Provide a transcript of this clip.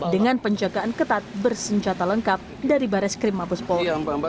dengan penjagaan ketat bersenjata lengkap dari baris krim abus pol